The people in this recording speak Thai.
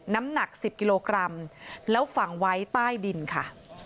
น้ำหนัก๑๐กิโลกรัมแล้วฝังไว้ใต้ดินค่ะ